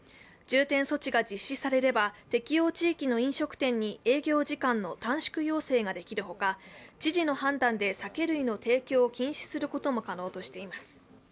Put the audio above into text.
重点措置が実施されれば適用地域の飲食店に営業時間の短縮要請ができるほか知事の判断で酒類の提供を禁止することも可能としています。